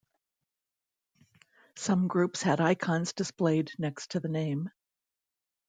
Some groups had icons displayed next to the name.